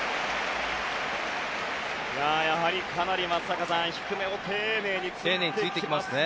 やはり、松坂さん低めを丁寧についてきますね。